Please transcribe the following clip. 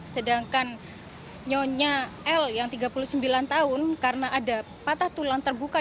sedangkan nyonya l yang tiga puluh sembilan tahun karena ada patah tulang terbuka